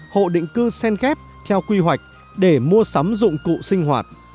hộ định cư sen ghép theo quy hoạch để mua sắm dụng cụ sinh hoạt